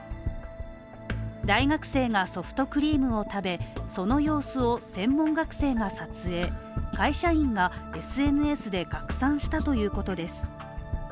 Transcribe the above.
大学生がソフトクリームを食べその様子を専門学生が撮影会社員がＳＮＳで拡散したということです。